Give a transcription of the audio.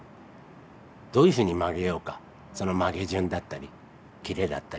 どういうふうに曲げようかその曲げ順だったり切れだったり。